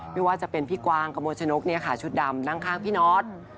ไม่ว่าจะเป็นพี่กวางกระมวลชนกชุดดำนั่งข้างพี่น็อต